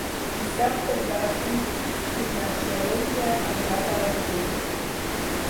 Dissabte en David i na Xènia aniran a la biblioteca.